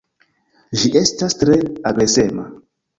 Ĝi estas tre agresema.